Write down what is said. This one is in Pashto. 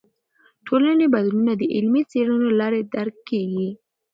ټولنې بدلونونه د علمي څیړنو له لارې درک کیږي.